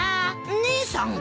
姉さんが？